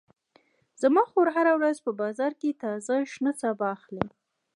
زما خور هره ورځ په بازار کې تازه شنه سابه اخلي